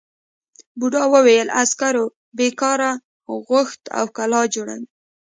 بوڊا وویل عسکرو بېگار غوښت او کلا جوړوي.